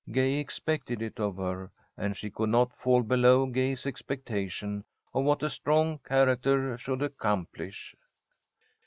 Gay expected it of her, and she could not fall below Gay's expectation of what a strong character should accomplish.